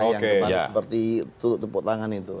yang kemarin seperti tukuk tukuk tangan itu